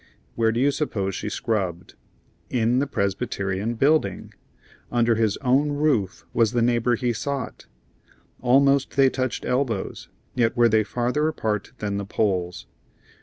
Where do you suppose she scrubbed? In the Presbyterian Building! Under his own roof was the neighbor he sought. Almost they touched elbows, yet were they farther apart than the poles.